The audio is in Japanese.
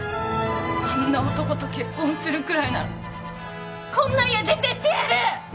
あんな男と結婚するくらいならこんな家出てってやる！